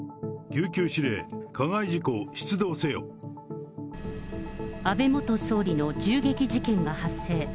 救急指令、加害事故、安倍元総理の銃撃事件が発生。